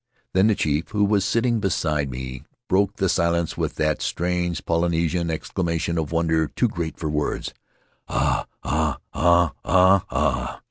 Then the chief, who was sitting be side me, broke the silence with that strange Polynesian exclamation of wonder too great for words, "Ah ah ah ah ah!"